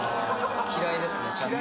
嫌いですねちゃんと。